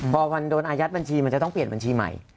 พอมันโดนอายัดบัญชีมันจะต้องเปลี่ยนบัญชีใหม่